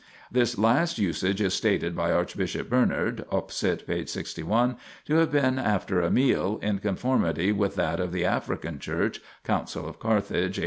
This last usage is stated by Archbishop Bernard (pp. cit. p. 61) to have been after a meal, in conformity with that of the African Church (Council of Carthage, A.